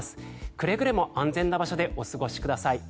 くれぐれも安全な場所でお過ごしください。